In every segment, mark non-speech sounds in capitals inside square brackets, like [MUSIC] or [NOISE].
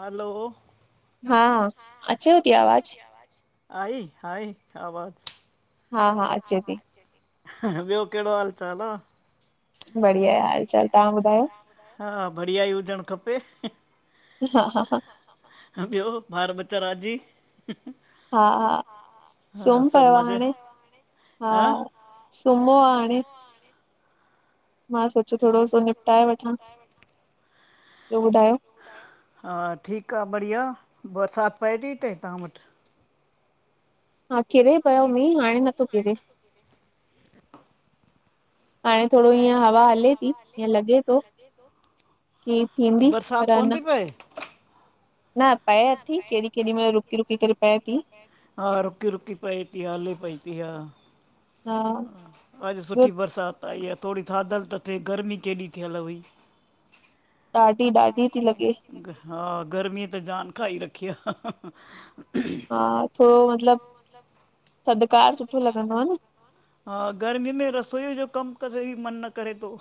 हलो [UNINTELLIGIBLE] हा, अचेव ति आवाज़ु। आइ, आइ, आवाजु। हा, हा, अचे ती। ॿियो कहिड़ो हाल चाल आ। बढ़िया आहे हाल चाल तव्हां ॿुधायो? हा, बढ़िया ई हुजणु खपे। हा हा हा ॿियो ॿार बच्चा राजी? हा हा हा सूमी सभु पयो आ मज़े हाणे। हा ह सुमो आ हाणे। मां सोचियो थोरो सो निपटाए वठां, ॿियो ॿुधायो? हा ठीकु आ बढ़िया, बरसाति पए ती इते तव्हां वटि? हा किरे पियो मींह हाणे नथो किरे। हाणे थोङो हिअं हवा हले ति हिअं लॻे तो। कि त थींदी बरसाति पर कोन थी न पए न, पए अथी केॾी केॾी महिल रुकी रुकी करे पए ति। हा रुकी रुकी पए ती, हले पई ती हा। हा अॼु ॿियो सुठी बरसाति आई आ, थोरी थाधल त थे गर्मी केॾी थियल हुई। ॾाढी ॾाढी ति लॻे। हा गर्मीअ त जान खाई रखी आ। ह ह ह हा थोरो मतिलबु थधकार सुठो लॻंदो आ न। हा गर्मी में रसोईअ जो कमु करेई बि मन न करे तो।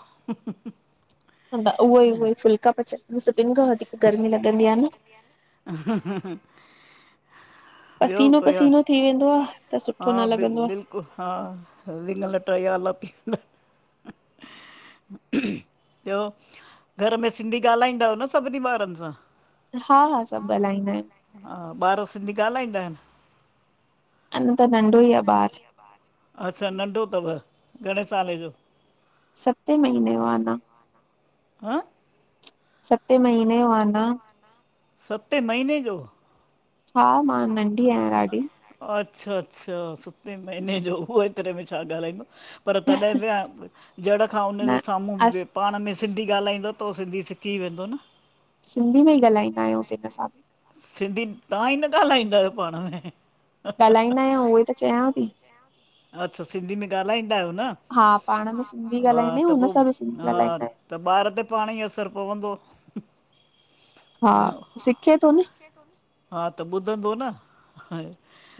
उहोई उहोई फुलका पचाइ सभिनि खां वधीक गर्मी लॻंदी आ न। ह ह ह पसीनो हा पसीनो थी वेंदो आ, त सुठो न लॻंदो आ। कु हा विङ लटा ई आला थी वेंदा इन ॿियो घर में सिंधी ॻाल्हाईंदाओ न सभिनी ॿारन सां? हा हा! सभु ॻाल्हाईंदा आहियूं। हा, ॿार सिंधी ॻाल्हाईंदा आहिनि? अञा त नंढो हि आ ॿार। अच्छा, नंढो तव घणे साल जो? सते महीने जो आ अञा। हअ सते महीने यो आ अञा। सते महीने जो? हा मां नंढी आहियां ॾाढी। अच्छा अच्छा सते महीने जो उहो हेतरे में छा ॻाल्हाईंदो पर तॾहिं बि जड़ खां उन जे न साम्हूं अस बि पाण में सिंधी ॻाल्हाईंदो त उह सिंधी सिखी वेंदो न। सिंधी में ही ॻाल्हाईंदा आहियूंसीं हिन सां। सिंधीअ तव्हां ई न ॻाल्हाईंदा आहियो पाण में? ॻाल्हाईंदा आहियूं उहो इ त चयांव थी। अच्छा सिंधीअ में ॻाल्हाईंदा आहियो न? हा पाण में सिंधी हा ॻाल्हाईंदा आहियूं त हुन पो सां बि सिंधी हा ॻाल्हाईंदा आहियूं त ॿार ते पाणे ई असरु पवंदो। हा सिखे थो न सीखे तो, हा त ॿुधंदो न।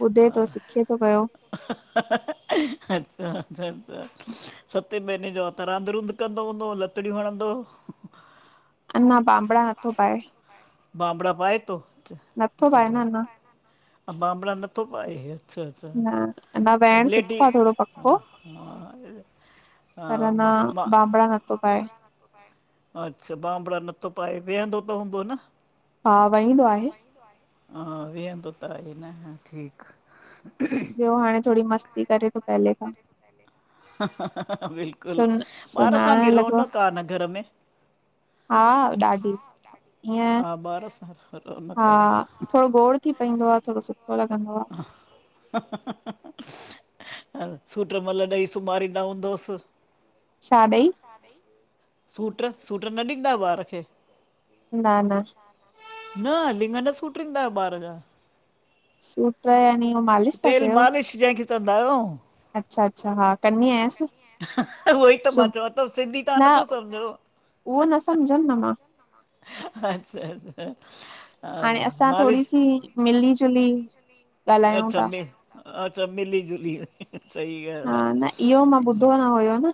ॿुधे थो सिखे थो पियो। ह ह ह अच्छा अच्छा सते महीने जो आ त रांध रूंध कंदो हूंदो लतड़ियूं हणंदो। अञा ॿांभणा नथो पाए। ॿांभणा पाए थो? नथो पाए न अञा ॿांभणा नथो पाए। अच्छा अच्छा न अञा वेयण लेडी सिखो आ, थोणो हा पक्को। पर अन, मां मां बांभड़ा नथो पाए। अच्छा, ॿांभणा नथो पाए, वेयंदो त हूंदो? भाउ वईंदो हा, आहे वंईंदो आए। हा, वेयंदो तो त आए न, हा ठीक। ॿ्यो हाणे थोड़ी मस्ती करे तो, पहले खां। बिल्कुल, सुन ॿार सां बि सुञाणण लॻो रौनक आ न घर में। हा हा ॾाढी ॾाडी। ईअं हा, ॿार सां त रौनक़ हा, थोड़ो गोड़ थी पईंदो आ, थोड़ो सुठो लॻंदो आ। [UNINTELLIGIBLE] सुमारींदा हूंदोस? छा ॾई? छा ॾई? सूट्र। सूट्र न ॾींदायो ॿार खे? न न न, लिंॻ न सूट्रींदायो ॿार जा? सूट्र यानि? तेल मालिश, जेंखे चोंदायो। अच्छा अच्छा, हा कंदी आयांस न। उहो ई त मां चंवां तो, सिंधी तां न नथो सम्झो? उहो, न समझ्यम न मां। अच्छा अच्छा हा हाणे असां थोड़ी मालिश सी, मिली जुली ॻाल्हायूं अच्छा था मि-अच्छा मिली जुली, सई हा ॻाल आ। न इहो मां ॿुधो न हुयो न।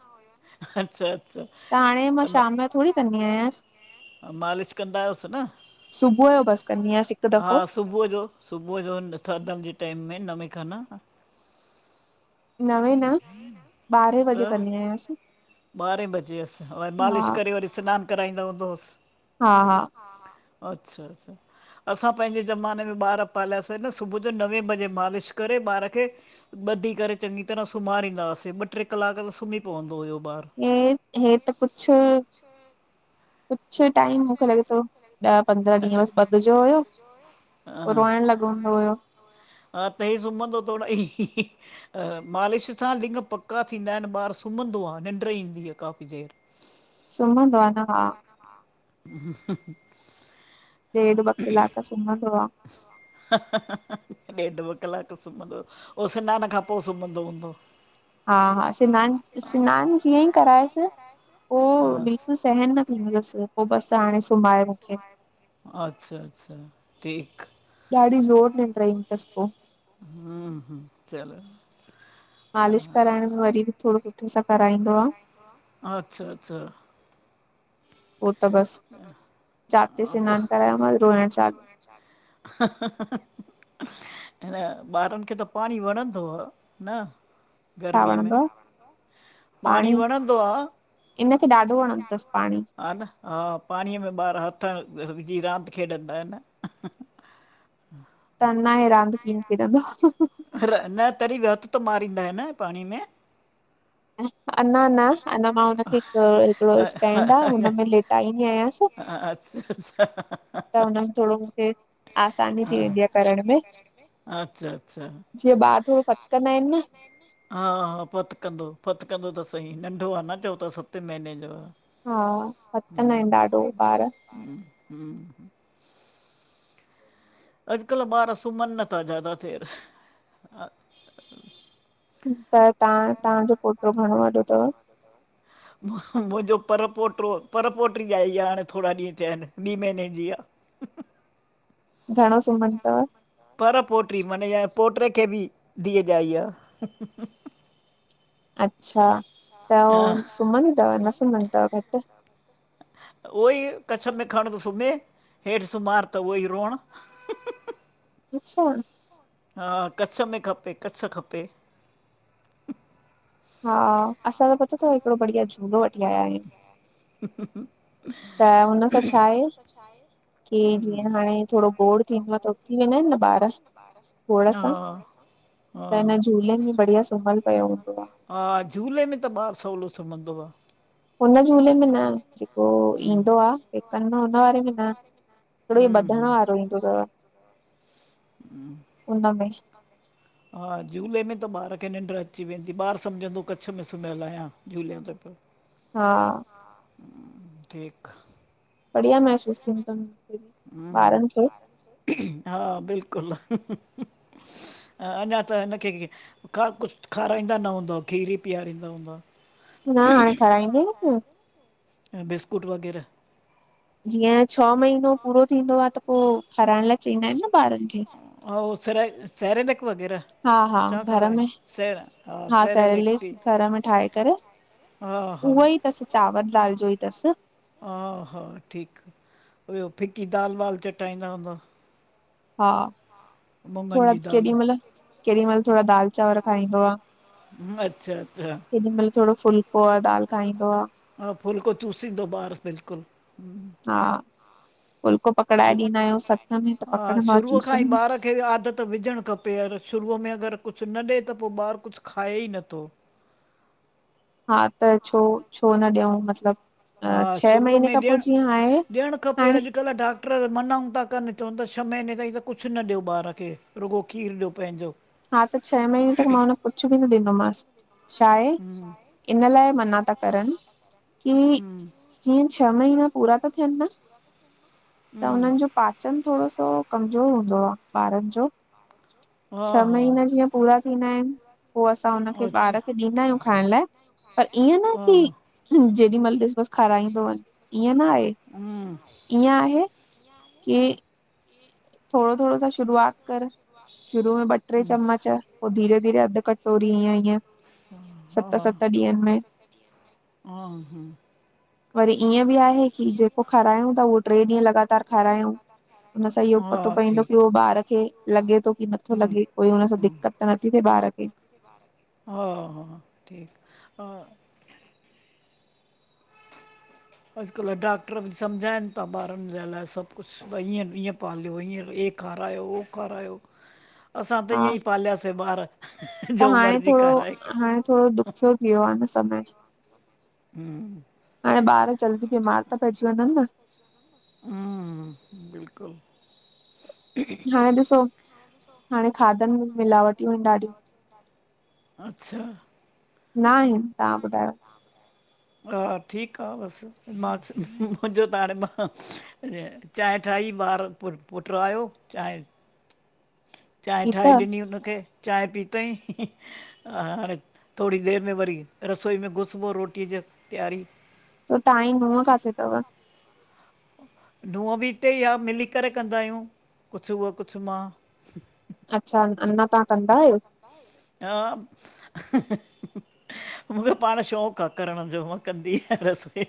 अच्छा अच्छा त हाणे त मां म शाम जो थोड़ी कंदी आयांस। मालिश कंदा आयोस न? सुबुह जो बसि सुबुअ कंदी जो आहियांसि बस। हिकु हा दफ़ो सुबुअ जो, सुबुअ जो थाधल जे टाइम में नवें खन। हा नवे न, ॿारें बजे कंदी आयांस। ॿारें बजे अस, वरी मालिश करे, वरी सिनान कराईंदा हूंदोस। हा हा अच्छा अच्छा [INAUDIBLE] असां पेंजे ज़माने में ॿार पाल्यासे न, सुबु जो नवें बजे मालिश करे, ॿार खे ॿधी करे चंॻी तरां सुम्हारींदा हासे, ॿ ट्रे कलाक त सुमी पोंदो हुयो ॿार। हे हे त कुछ, कुछ टाइम मुखे लॻे तो। ॾ पंद्रा ॾींहं बस ॿधज्यो हुयो, हा पो रोएण लॻंदो हुयो। हा, त हे सुमंदो थोड़ई। मालिश सां, लिंॻ पका थींदा आएन, ॿार सुमंदो आ, निंड्र ईंदी आ काफ़ी देर [INAUDIBLE] सुमंदो आ न, हा। ॾेढ ॿ क़ीलाक सुमंदो आ। ॾेढ ॿ कलाक सुमंदो ओ सिनान खां पो सुमंदो हूंदो? हा हा स्नान, स्नान जीअं ई करायसि पोइ हा बिल्कुल सहन न थींदो तसि, पोइ बसि हाणे सुम्हाए मुखे। अच्छा अच्छा ठीक। ॾाढी, ज़ोर निंड ईंदी तसि पोइ हं हं चलो। मालिश अ, कराइण में वरी बि थोड़ो सुठे सां कराईंदो आ। अच्छा अच्छा। पोइ त बसि जाते स्नान कराये मास रोइण चालू हं ॿारनि खे त पाणी वणंदो आ न छा गर्मीअ में। वणंदो आ पाणी वणंदो आ। इनखे ॾाढो हिन खे अथसि ॾाढो‌ पाणी वणंदो तस। ह न हा पाणीअ में ॿार हथ विझी रांदि खेॾंदा आहिन न। तन्नाए, रांदि कींय खेॾंदो? न तॾहिं बि हथ त मारींदा आहिन पाणी में? अ, अञा न अञा मां हुनखे हिकड़ो स्टैंड आ हुन में लेटाईंदी आहियांस। हा अच्छा अच्छा। त हुनमे थोड़ो मुखे आसानी थी वेंदी आहे करण में। अच्छा अच्छा। जीअं ॿार थोरो, फथकंदा आहिन न हा हा फतकंदो, फतकंदो त सही नंढो आ न चंओ ता सते महीने जो आ। हा। फतकंदा हम आहिनि ॾाढो ॿार ह हम [UNINTELLIGIBLE] अॼकल्ह, ॿार सुमन नथा ज्यादा देर। ह त तां तहांजो पोटो घणो वॾो थव? मुंहिंजो पर पोटो पर पोटी ॼाई आ हाणे थोरा ॾींहं थिया आहिन, ॿीं महीने जी आ। घणो? सुम्हंदो तव पर पोटी मानये पोटे खे बि धीय ॼाई आ। अच्छा, त हो हा। सुम्हंदी तव न सुम्हंदी तव घटि उहो ई कच्छ में खण त सुम्हे हेठि सुम्हार त उहो ई रोअण। अच्छा। हा, कच्छ में खपे कच्छ खपे। हा, असां त पतो तव हिकड़ो बढ़िया झूलो वठी आया आहियूं। त हुन सां छा आहे की जीअं हाणे थोरो गोड़ थींदो त उथी वेंदा आहिन न ॿार गोड़ हा। सां हा त हिन झूलेनि में बढ़िया सुमयलु पयो हूंदो आ। हा झूले में त ॿारु सवलो सुमंदो आ। हुन झूले में न जेको ईंदो आ। हिकन्द हुन वारे में न। हिकिॾो इयो ॿधण उहो वारो इंदो तव। हं। उन्नमे। हा, झूले में त ॿार खें निंड अची वेन्दी। ॿार सम्झदो कच्छ में सुमियलु आहियां। झूले में त पो हा। हा, ठीक। बढ़िया महसूस थींदो ॿारनि खें। [UNINTELLIGIBLE] हां बिल्कुल! अञां त हिनखे खा कुछु खाराईंदा न हूंदओ खीर ई पीआरींदा हूंदआ। न हाणे ठाराईंदी न [UNINTELLIGIBLE] बिस्कुट वग़ैरह ॼीअं छह महीनों पूरो थींदो आहे त पोइ खाराइण लाई चवंदा आहिनि न ॿारनि खे। हां उहो सरेलेक सरेलेक वग़ैरह हा हा छा घर खाराइनि में सेरे हा सेरेलेक ती घर में ठाहे करे हा। उहो ई थसि चावर दाल जो ई अथसि हा हा। ठीकु आ ॿियो फिकी दालि वाल चटाईंदा हूंदौ। हा, मुङनि थोरा जी दाल केॾी महिल केॾी महिल थोरा दाल चांवर खाईंदो आ अच्छा- अच्छा! केॾी मइल थोड़ो फुल्को ऐं दालि खाईंदो आ। हा, फ़ुलको चूसींदो ॿारु बिल्कुलु। हा, फ़ुलको शु पकडाए ॾींदा आहियूंसि हथ में त पकडणदो आ चूसंदो केरि आदत विझणु खपे र शुरूअ में अगरि कुझु न ॾेए त पोई ॿारु कुझु खाए ई नथो। हा त छो, छो न ॾियऊं मतलबु। हां, शुरूअ में ॾियण, ॾियणु खपे हाणे अॼुकल्ह डाक् क्टर मनाऊं था करनि। चवनि था छहें महीने ताईं त कुझु न ॾियो ॿार खें रुॻो खीरु ॾियो पंहिंजो। हा त छह महीने तक मां हुन कुझु ॿि न ॾिनोमांसि। छा आहे? इन लाइ मना ता करनि की ॼीअं छह महीना पूरा था थियनि न त हम्म, हुननि ॼो पाचन थोरो सो कमॼोर हूंदो आहें ॿारनि ॼो हा छह हा महीना ॼीअं पूरा थीन्दा आहिनि, पो असां हुनखे अच्छा ॿार खे ॾींदा आहियूं खाइण लाइ। पर ईएंं न हा कि हा जेॾी महिल ॾिस बसि खाराईंदो वनञु। ईअं न आहे हम्म ईअं आहे, कि थोरो थोरो त शुरूआत करि शुरूअ में ॿ टे हम्म, चम्मच पो धीरे धीरे अध कटोरी ईयं ईअं हा- सत सत ॾींहंनि में हा, हा, हा वरी ईअं ॿि आहे कि, जेको खारायूं ता उहो टेरे ॾींहं लॻातार खारायूं। हुन सां इहो पतो हा, पवंदो की उहो ठीकु ॿार खें लॻे थो कि नथो हम्म, लॻे। कोई हुन सां हम्म, दिक़त त नथी थिए ॿार खे। हा, हा ठीकु हां अॼु कल्ह डॉक्टर ॿि सम्झाइनि था ॿारनि ॼे लाइ सभु कुझु। व ईअं -ईअं पालियो ईअं ऐ खारायो हो खारायो असां त हा ईअं ई पालियासीं ॿार जो मर्ज़ी खाराए हाण थोरो दुख [UNINTELLIGIBLE] छो कि ईयो आहे न समय [UNINTELLIGIBLE] ह्म [UNINTELLIGIBLE] हा ॿार जल्दी बीमार था पइजी वञनि न। हम् बिल्कुलु हाणे ॾिसो हाणे खाधनि में मिलावटियूं आहिनि ॾाढियूं अच्छा ना आहेन तां ॿुधायो। हा ठीकु आ बसि मां मुंहिंजो त हाणे मां चांए ठाही ॿारु पु पुट्र आहियो चांए चांए ही त ठाहे त ॾिनी हुनखे चांए पीतई हाणे, थोरी देरि में वरी, रसोई में घुसिबो रोटीअ जी तैयारीअ त ताई नूंह काथे तव नूंह बि हिते ई आ मिली करे कंदां आहियूं, कुझु उहा कुझु मां अच्छा अञा तव्हां कंदा आहियो [UNINTELLIGIBLE] हा मुंखे पाण शौक़ु आ करणु जो मां कंदी आहियां रसोई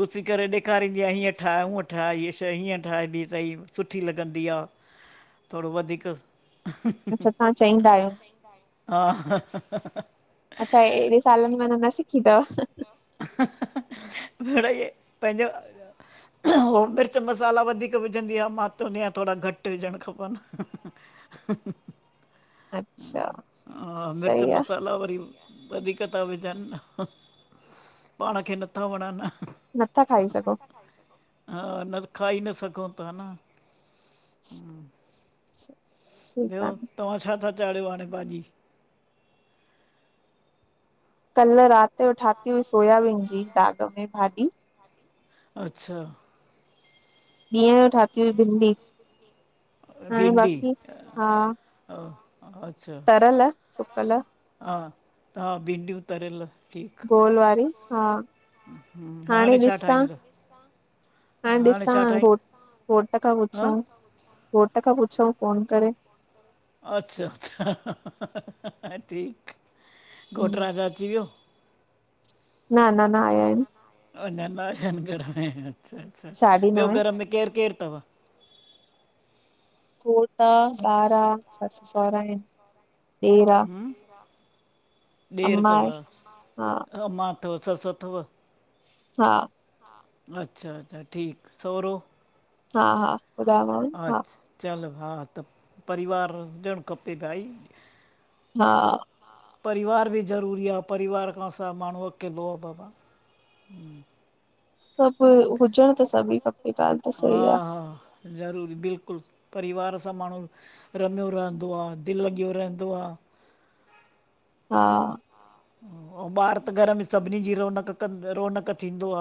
घुसी करे ॾे खारींदी आहियां हीअ ठाहे, हुंअ ठाहे हियं शइ इअं ठाहिबी थई सुठी लॻंदी आ थोरो वधीक अच्छा ह तव्हां चईंदा ह, आहियो हा ह ह अच्छा, ऐॾन सालनि में अञा न सिखी तव मिड़ई पहिंजो हो मिर्च मसाला वधीक विझंदी आ, मां चवंदी आहियां, थोरा घटि विझणु खपनि अच्छा हा मिर्च सही आहे मसाला वरी वधीक था विझनि, पाण खे नथा वणनि नथा खाई सघो हा न खाई न सघउं था न [INAUDIBLE] ठीकु ॿियो, आहे तव्हां छा था चाढ़ियो हाणे भाॼी? कल्हु रात जो ठाती हुई सोयाबीन जी दाॻ में भाॼी अच्छा ॾींहुं जो ठाही हुई भिंडी, हाणे बाक़ी हा ह अच्छा, तरियल सुकल हा तां भिंडियूं तरियल ठीकु गोलु वारी हा, हाणे छा ॾिसां ठाहींदो हाणे ॾिसां छा घोटु ठाहींदो घोटु खां पुछऊ, हा घोट खां पुछऊ फ़ोनु करे। अच्छा, अच्छा ठीकु न घोटुराजा अची वियो। न अञां न आया हिनि। अञां न आया हिन घरु में, अच्छा अछा साढी ॿियो नवे घरु में केरि - केरि तव घोटु आ, ॿारु आ, ससु सउरा आहिनि। ॾेर आ हम् ॾेर अम्मा तव आहे हा ऐं मां त ससु अथव हा अच्छा, अच्छा ठीकु सउरो हा हा ॿुधायोमांव न, हा अच्छा, चलो हा त परिवार हुजणु खपे भाई हा परिवारु बि ज़रूरी आ परिवारु खां सिवा माण्हू अकेलो आ ॿाॿा सभु हुजण त सभी खपे ॻाल्हि त हा सही आ हा ज़रूरी बिल्कुल परिवारु सां माण्हूं रमियो रहंदो आ, दिलि लॻियो रहंदो आ। हा अऊं ॿार त घर में सभिनी जी रौनक कनि रौनक थींदो आ।